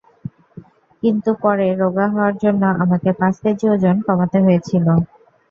কিন্তু পরে রোগা হওয়ার জন্য আমাকে পাঁচ কেজি ওজন কমাতে হয়েছিল।